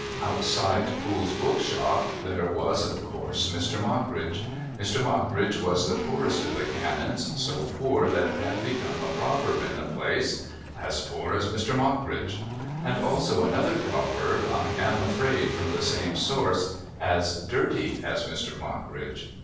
Outside Poole's bookshop there was, of course, Mr. Mockridge. Mr. Mockridge was the poorest of the Canons; so poor, that it had become a proverb in the place: "As poor as Mr. Mockridge"; and also another proverb, I am afraid, from the same source: "As dirty as Mr. Mockridge."